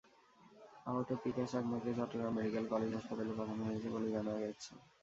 আহত পিকাশ চাকমাকে চট্টগ্রাম মেডিকেল কলেজ হাসপাতালে পাঠানো হয়েছে বলে জানা গেছে।